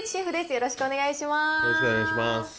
よろしくお願いします。